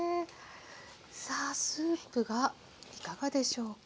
さあスープがいかがでしょうか？